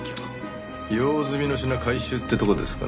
用済みの品回収ってとこですかね。